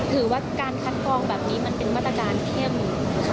ถือว่าการคัดกรองแบบนี้มันเป็นมาตรการเข้มครั้งแรกหรือเปล่า